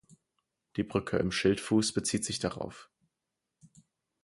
Die Brücke im Schildfuß bezieht sich darauf.